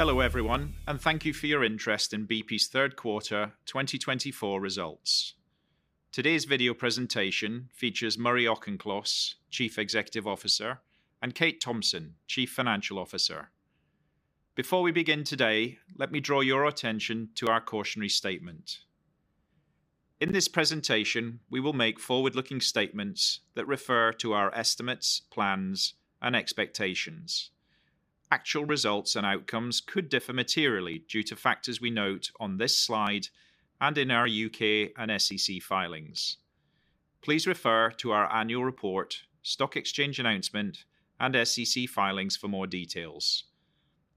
Hello, everyone, and thank you for your interest in BP's third quarter twenty twenty-four results. Today's video presentation features Murray Auchincloss, Chief Executive Officer, and Kate Thomson, Chief Financial Officer. Before we begin today, let me draw your attention to our cautionary statement. In this presentation, we will make forward-looking statements that refer to our estimates, plans, and expectations. Actual results and outcomes could differ materially due to factors we note on this slide and in our U.K. and SEC filings. Please refer to our annual report, stock exchange announcement, and SEC filings for more details.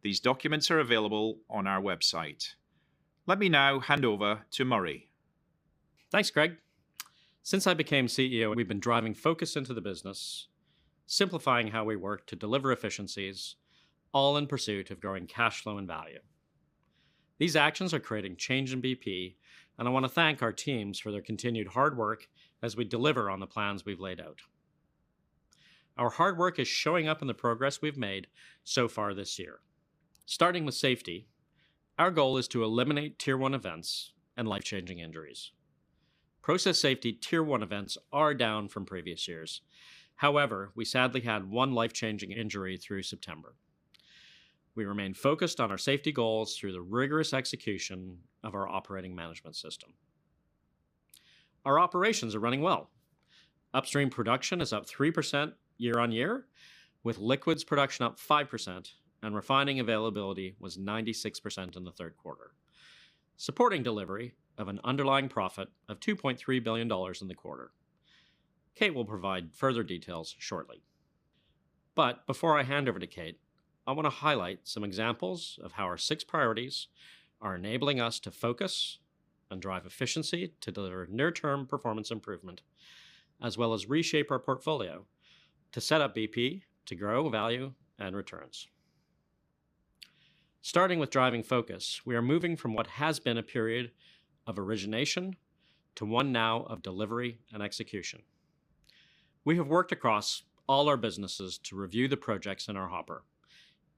These documents are available on our website. Let me now hand over to Murray. Thanks, Greg. Since I became CEO, we've been driving focus into the business, simplifying how we work to deliver efficiencies, all in pursuit of growing cash flow and value. These actions are creating change in BP, and I want to thank our teams for their continued hard work as we deliver on the plans we've laid out. Our hard work is showing up in the progress we've made so far this year. Starting with safety, our goal is to eliminate Tier 1 events and life-changing injuries. Process safety Tier 1 events are down from previous years. However, we sadly had one life-changing injury through September. We remain focused on our safety goals through the rigorous execution of our operating management system. Our operations are running well. Upstream production is up 3% year on year, with liquids production up 5%, and refining availability was 96% in the third quarter, supporting delivery of an underlying profit of $2.3 billion in the quarter. Kate will provide further details shortly. But before I hand over to Kate, I want to highlight some examples of how our six priorities are enabling us to focus and drive efficiency to deliver near-term performance improvement, as well as reshape our portfolio to set up BP to grow value and returns. Starting with driving focus, we are moving from what has been a period of origination to one now of delivery and execution. We have worked across all our businesses to review the projects in our hopper,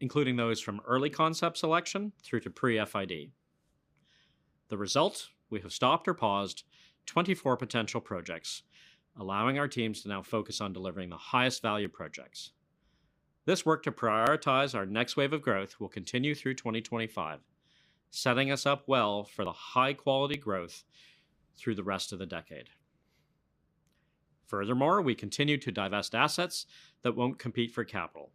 including those from early concept selection through to pre-FID. a result, we have stopped or paused twenty-four potential projects, allowing our teams to now focus on delivering the highest value projects. This work to prioritize our next wave of growth will continue through 2025, setting us up well for the high-quality growth through the rest of the decade. Furthermore, we continue to divest assets that won't compete for capital.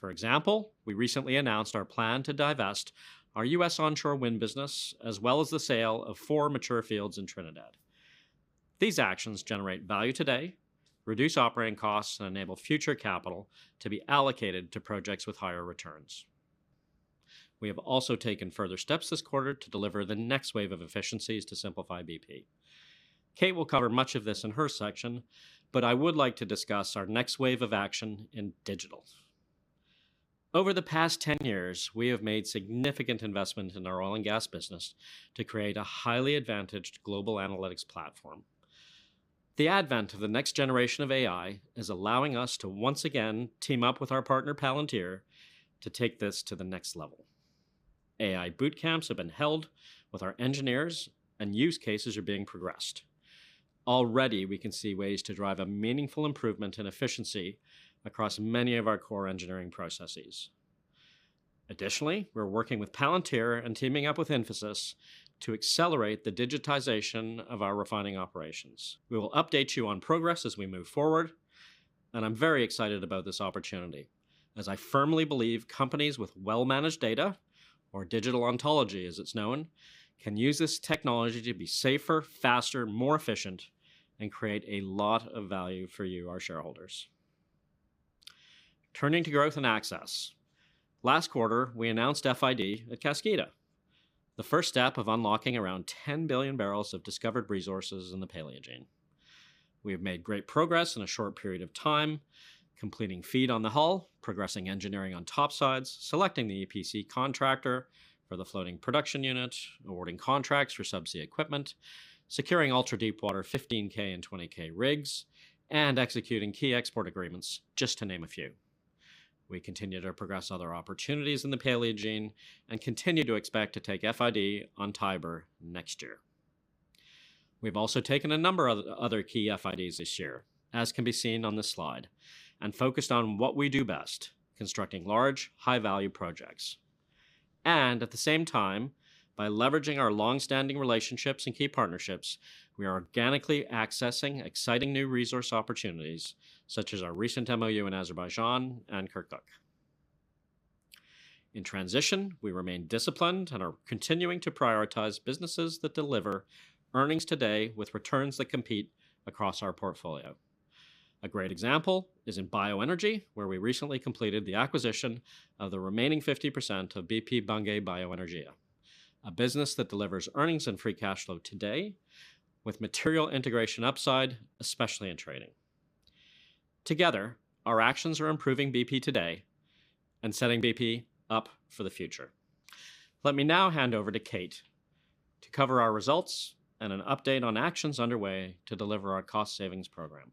For example, we recently announced our plan to divest our U.S. onshore wind business, as well as the sale of four mature fields in Trinidad. These actions generate value today, reduce operating costs, and enable future capital to be allocated to projects with higher returns. We have also taken further steps this quarter to deliver the next wave of efficiencies to simplify BP. Kate will cover much of this in her section, but I would like to discuss our next wave of action in digital. Over the past ten years, we have made significant investment in our oil and gas business to create a highly advantaged global analytics platform. The advent of the next generation of AI is allowing us to once again team up with our partner, Palantir, to take this to the next level. AI boot camps have been held with our engineers and use cases are being progressed. Already, we can see ways to drive a meaningful improvement in efficiency across many of our core engineering processes. Additionally, we're working with Palantir and teaming up with Infosys to accelerate the digitization of our refining operations. We will update you on progress as we move forward, and I'm very excited about this opportunity, as I firmly believe companies with well-managed data or digital ontology, as it's known, can use this technology to be safer, faster, more efficient, and create a lot of value for you, our shareholders. Turning to growth and access, last quarter, we announced FID at Kaskida, the first step of unlocking around 10 billion barrels of discovered resources in the Paleogene. We have made great progress in a short period of time, completing FEED on the hull, progressing engineering on top sides, selecting the EPC contractor for the floating production unit, awarding contracts for subsea equipment, securing ultra-deep water 15K and 20K rigs, and executing key export agreements, just to name a few. We continue to progress other opportunities in the Paleogene and continue to expect to take FID on Tiber next year. We've also taken a number of other key FIDs this year, as can be seen on this slide, and focused on what we do best, constructing large, high-value projects, and at the same time, by leveraging our long-standing relationships and key partnerships, we are organically accessing exciting new resource opportunities, such as our recent MoU in Azerbaijan and Kirkuk. In transition, we remain disciplined and are continuing to prioritize businesses that deliver earnings today with returns that compete across our portfolio. A great example is in bioenergy, where we recently completed the acquisition of the remaining 50% of BP Bunge Bioenergia, a business that delivers earnings and free cash flow today with material integration upside, especially in trading. Together, our actions are improving BP today and setting BP up for the future. Let me now hand over to Kate to cover our results and an update on actions underway to deliver our cost savings program....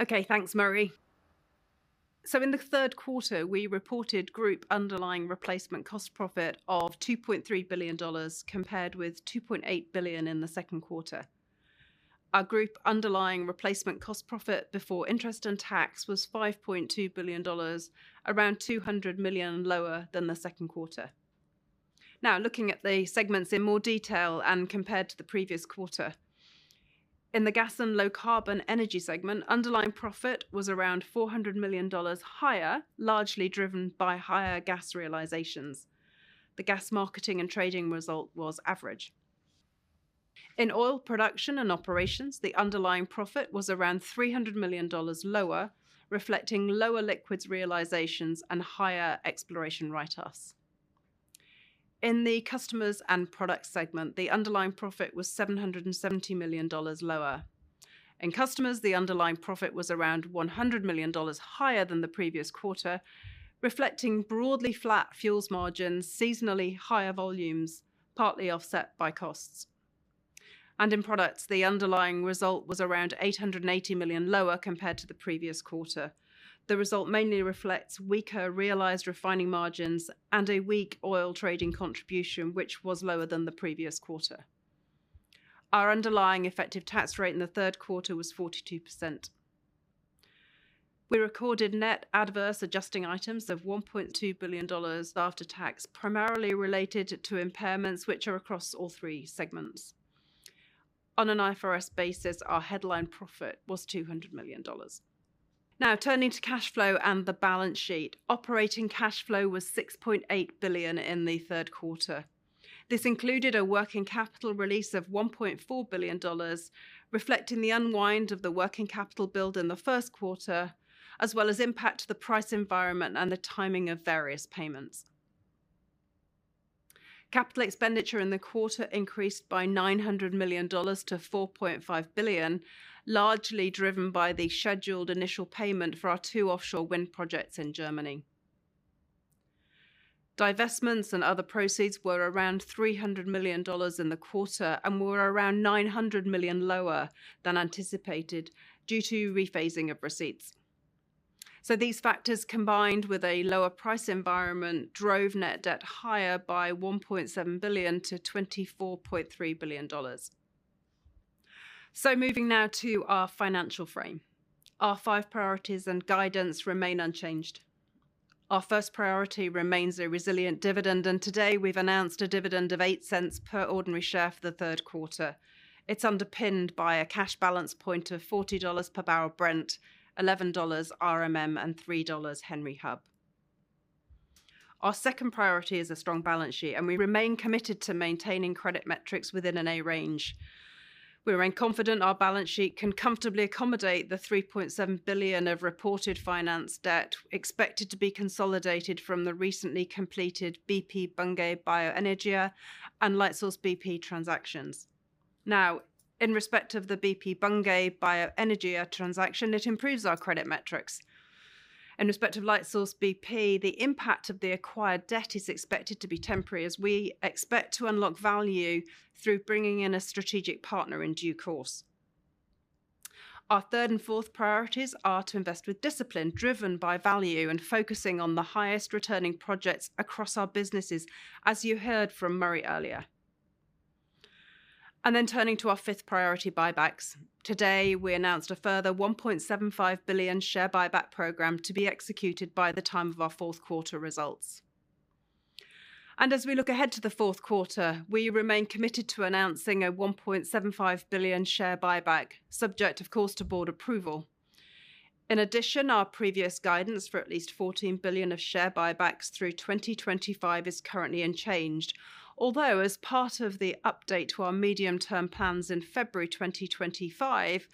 Okay, thanks, Murray. So in the third quarter, we reported group underlying replacement cost profit of $2.3 billion, compared with $2.8 billion in the second quarter. Our group underlying replacement cost profit before interest and tax was $5.2 billion, around $200 million lower than the second quarter. Now, looking at the segments in more detail and compared to the previous quarter, in the gas and low-carbon energy segment, underlying profit was around $400 million higher, largely driven by higher gas realizations. The gas marketing and trading result was average. In oil production and operations, the underlying profit was around $300 million lower, reflecting lower liquids realizations and higher exploration write-offs. In the customers and product segment, the underlying profit was $770 million lower. In Customers, the underlying profit was around $100 million higher than the previous quarter, reflecting broadly flat fuels margins, seasonally higher volumes, partly offset by costs. In Products, the underlying result was around $880 million lower compared to the previous quarter. The result mainly reflects weaker realized refining margins and a weak oil trading contribution, which was lower than the previous quarter. Our underlying effective tax rate in the third quarter was 42%. We recorded net adverse adjusting items of $1.2 billion after tax, primarily related to impairments, which are across all three segments. On an IFRS basis, our headline profit was $200 million. Now, turning to cash flow and the balance sheet. Operating cash flow was $6.8 billion in the third quarter. This included a working capital release of $1.4 billion, reflecting the unwind of the working capital build in the first quarter, as well as impact to the price environment and the timing of various payments. Capital expenditure in the quarter increased by $900 million to $4.5 billion, largely driven by the scheduled initial payment for our two offshore wind projects in Germany. Divestments and other proceeds were around $300 million in the quarter and were around $900 million lower than anticipated due to rephasing of receipts. So these factors, combined with a lower price environment, drove net debt higher by $1.7 billion to $24.3 billion. So moving now to our financial frame. Our five priorities and guidance remain unchanged. Our first priority remains a resilient dividend, and today we've announced a dividend of $0.08 per ordinary share for the third quarter. It's underpinned by a cash balance point of $40 per barrel Brent, $11 RMM, and $3 Henry Hub. Our second priority is a strong balance sheet, and we remain committed to maintaining credit metrics within an A range. We remain confident our balance sheet can comfortably accommodate the 3.7 billion of reported financed debt expected to be consolidated from the recently completed BP Bunge Bioenergia and Lightsource BP transactions. Now, in respect of the BP Bunge Bioenergia transaction, it improves our credit metrics. In respect of Lightsource BP, the impact of the acquired debt is expected to be temporary, as we expect to unlock value through bringing in a strategic partner in due course. Our third and fourth priorities are to invest with discipline driven by value and focusing on the highest-returning projects across our businesses, as you heard from Murray earlier. And then turning to our fifth priority, buybacks. Today, we announced a further $1.75 billion share buyback program to be executed by the time of our fourth quarter results. And as we look ahead to the fourth quarter, we remain committed to announcing a $1.75 billion share buyback, subject, of course, to board approval. In addition, our previous guidance for at least $14 billion of share buybacks through 2025 is currently unchanged. Although, as part of the update to our medium-term plans in February 2025,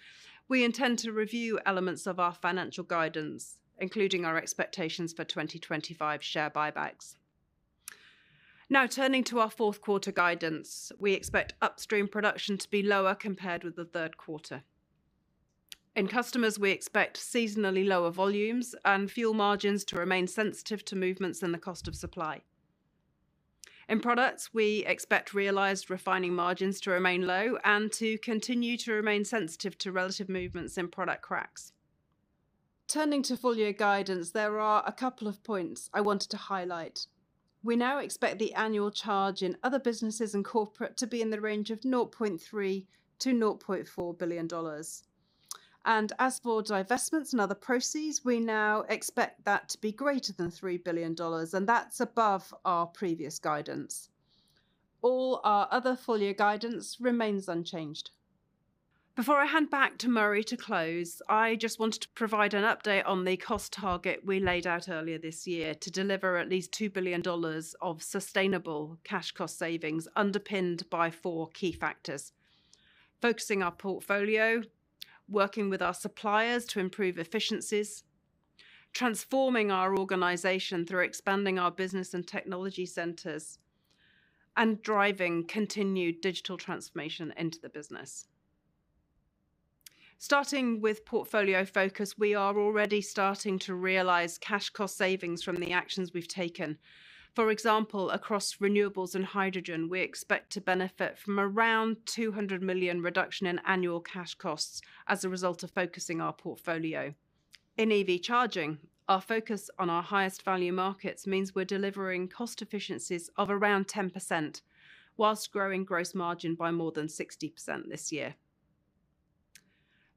we intend to review elements of our financial guidance, including our expectations for 2025 share buybacks. Now, turning to our fourth quarter guidance. We expect upstream production to be lower compared with the third quarter. In customers, we expect seasonally lower volumes and fuel margins to remain sensitive to movements in the cost of supply. In products, we expect realized refining margins to remain low and to continue to remain sensitive to relative movements in product cracks. Turning to full-year guidance, there are a couple of points I wanted to highlight. We now expect the annual charge in other businesses and corporate to be in the range of $0.3-$0.4 billion. And as for divestments and other proceeds, we now expect that to be greater than $3 billion, and that's above our previous guidance. All our other full-year guidance remains unchanged. Before I hand back to Murray to close, I just wanted to provide an update on the cost target we laid out earlier this year to deliver at least $2 billion of sustainable cash cost savings, underpinned by 4 key factors: focusing our portfolio, working with our suppliers to improve efficiencies, transforming our organization through expanding our business and technology centers, and driving continued digital transformation into the business. Starting with portfolio focus, we are already starting to realize cash cost savings from the actions we've taken. For example, across renewables and hydrogen, we expect to benefit from around $200 million reduction in annual cash costs as a result of focusing our portfolio.... In EV charging, our focus on our highest value markets means we're delivering cost efficiencies of around 10%, while growing gross margin by more than 60% this year.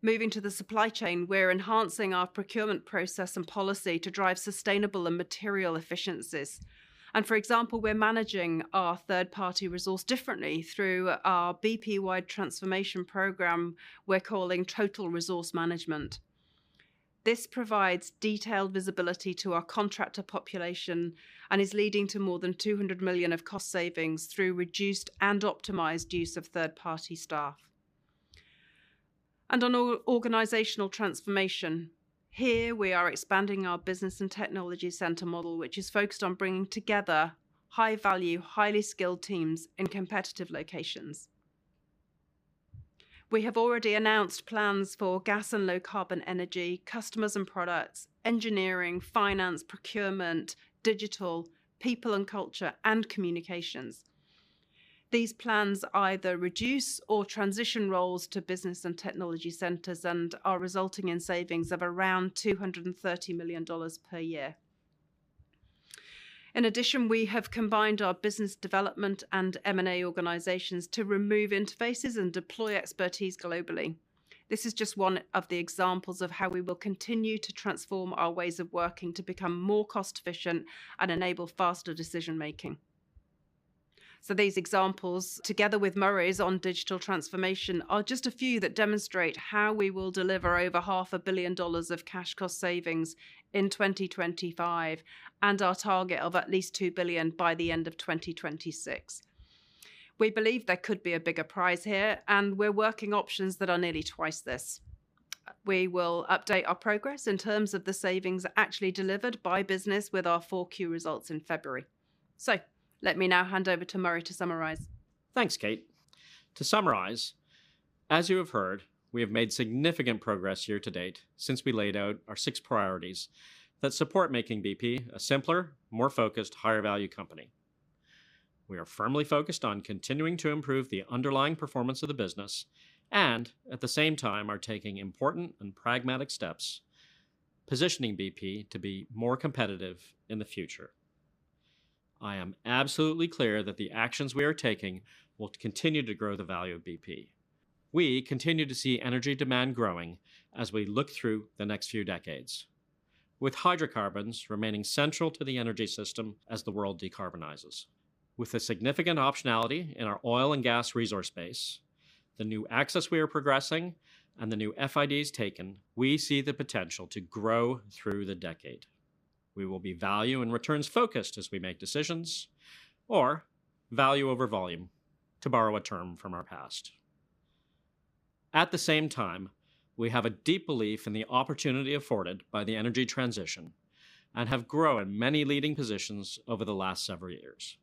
Moving to the supply chain, we're enhancing our procurement process and policy to drive sustainable and material efficiencies. And for example, we're managing our third-party resource differently through our BP-wide transformation program we're calling Total Resource Management. This provides detailed visibility to our contractor population and is leading to more than $200 million of cost savings through reduced and optimized use of third-party staff. And on our organizational transformation, here we are expanding our business and technology center model, which is focused on bringing together high-value, highly skilled teams in competitive locations. We have already announced plans for gas and low carbon energy, customers and products, engineering, finance, procurement, digital, people and culture, and communications. These plans either reduce or transition roles to business and technology centers and are resulting in savings of around $230 million per year. In addition, we have combined our business development and M&A organizations to remove interfaces and deploy expertise globally. This is just one of the examples of how we will continue to transform our ways of working to become more cost efficient and enable faster decision-making. So these examples, together with Murray's on digital transformation, are just a few that demonstrate how we will deliver over $500 million of cash cost savings in 2025, and our target of at least $2 billion by the end of 2026. We believe there could be a bigger prize here, and we're working options that are nearly twice this. We will update our progress in terms of the savings actually delivered by business with our 4Q results in February. So let me now hand over to Murray to summarize. Thanks, Kate. To summarize, as you have heard, we have made significant progress year to date since we laid out our six priorities that support making BP a simpler, more focused, higher-value company. We are firmly focused on continuing to improve the underlying performance of the business and, at the same time, are taking important and pragmatic steps, positioning BP to be more competitive in the future. I am absolutely clear that the actions we are taking will continue to grow the value of BP. We continue to see energy demand growing as we look through the next few decades, with hydrocarbons remaining central to the energy system as the world decarbonizes. With the significant optionality in our oil and gas resource base, the new access we are progressing, and the new FIDs taken, we see the potential to grow through the decade. We will be value and returns focused as we make decisions or value over volume, to borrow a term from our past. At the same time, we have a deep belief in the opportunity afforded by the energy transition and have grown many leading positions over the last several years.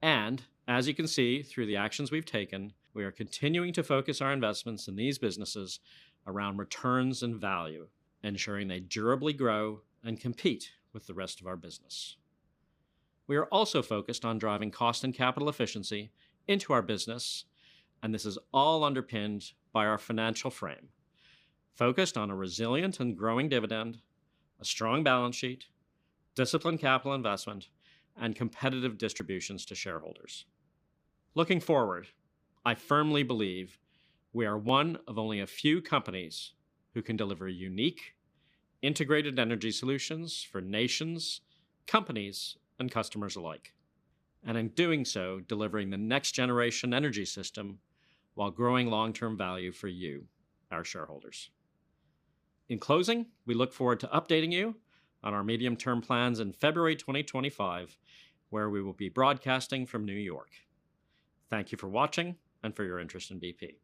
And as you can see through the actions we've taken, we are continuing to focus our investments in these businesses around returns and value, ensuring they durably grow and compete with the rest of our business. We are also focused on driving cost and capital efficiency into our business, and this is all underpinned by our financial frame, focused on a resilient and growing dividend, a strong balance sheet, disciplined capital investment, and competitive distributions to shareholders. Looking forward, I firmly believe we are one of only a few companies who can deliver unique, integrated energy solutions for nations, companies, and customers alike, and in doing so, delivering the next generation energy system while growing long-term value for you, our shareholders. In closing, we look forward to updating you on our medium-term plans in February twenty twenty-five, where we will be broadcasting from New York. Thank you for watching and for your interest in BP.